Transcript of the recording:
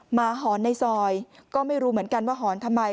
หอนในซอยก็ไม่รู้เหมือนกันว่าหอนทำไม